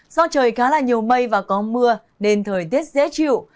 do trời khá là nhiều mây và có mưa nên thời tiết dễ chịu